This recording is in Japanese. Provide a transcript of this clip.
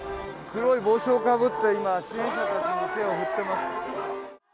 黒い帽子をかぶって、今、支援者たちに手を振っています。